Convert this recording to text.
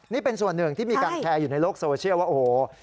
นี่เป็นส่วนหนึ่งที่มีการแชร์อยู่ในโลกโซเชียลว่าโอ้โห